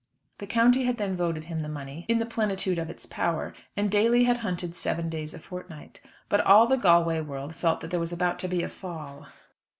The county had then voted him the money in the plenitude of its power, and Daly had hunted seven days a fortnight. But all the Galway world felt that there was about to be a fall.